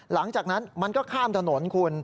หลังจากนั้นมันก็ข้ามถนนคุณ